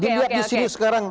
dilihat disini sekarang